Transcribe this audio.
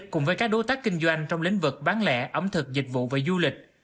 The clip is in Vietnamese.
cùng với các đối tác kinh doanh trong lĩnh vực bán lẻ ẩm thực dịch vụ và du lịch